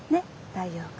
太陽君。